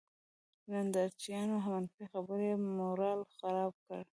نندارچيانو، منفي خبرې یې مورال خراب کړ.